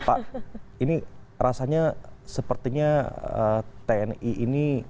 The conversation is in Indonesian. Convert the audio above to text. pak ini rasanya sepertinya tni ini